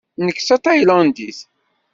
Nekk d tataylandit.